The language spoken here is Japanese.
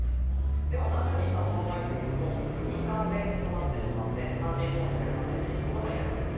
では同じように下も考えてみると「みかぜ」となってしまって漢字１文字になりませんし言葉になりません。